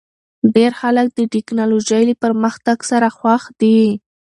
ډېر خلک د ټکنالوژۍ له پرمختګ سره خوښ دي.